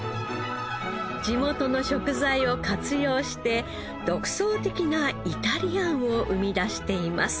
地元の食材を活用して独創的なイタリアンを生み出しています。